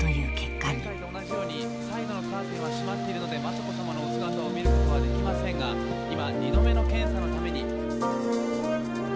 サイドのカーテンは閉まっているので雅子さまのお姿を見ることはできませんが今二度目の検査のために。